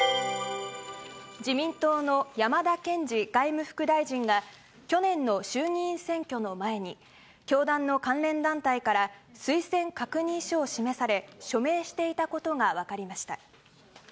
自民党の山田賢司外務副大臣が、去年の衆議院選挙の前に、教団の関連団体から、推薦確認書を示され、署名していたことが分かりました。